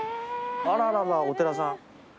あらららお寺さん。